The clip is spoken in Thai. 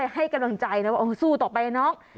ให้กำลังใจนะว่าสู้ต่อไปนะน้อง